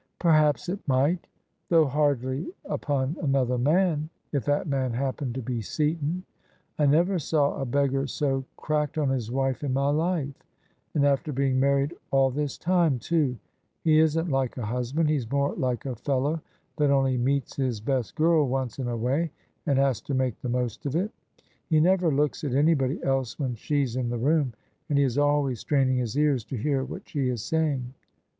" Perhaps it mi^t: though hardly upon another man, if that man happened to be Seaton. I never saw a beggar so cracked on his wife in my life: and after being married all this time, tool He isn't like a husband; he's more like a fellow that only meets his best girl once in a way, and has to make the most of it. He never looks at anybody else when she's in the room, and he is always straining his ears to hear what she is saying."